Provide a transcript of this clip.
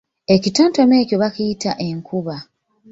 Ekitontome ekyo bakiyita enkuba.